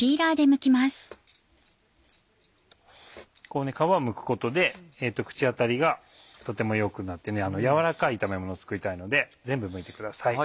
こう皮をむくことで口当たりがとても良くなって軟らかい炒めものを作りたいので全部むいてください。